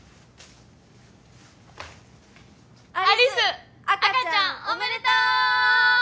有栖赤ちゃんおめでとう！